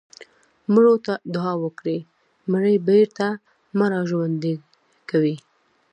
مړو ته دعا وکړئ مړي بېرته مه راژوندي کوئ.